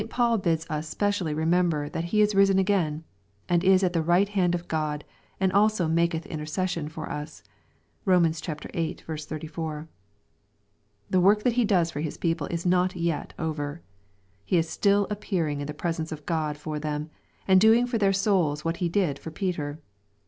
Paul bids us specially re member that He is risen again, and is at the right hand of God, and also maketh intercession for us. (Bom. viiu S4.) The work that He does for His people is not yet over. He is still appearing in the presence of God for them, and doing for their souls what He did for Peter.